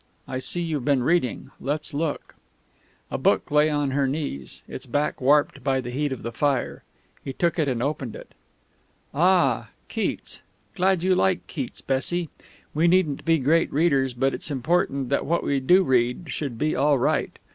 I see you've been reading; let's look " A book lay on her knees, its back warped by the heat of the fire. He took it and opened it. "Ah, Keats! Glad you like Keats, Bessie. We needn't be great readers, but it's important that what we do read should be all right.